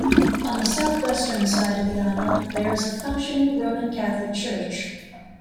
On the south-western side of the island there is a functioning Roman Catholic church.